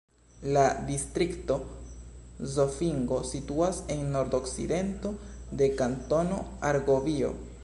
La distrikto Zofingo situas en nordokcidento de Kantono Argovio.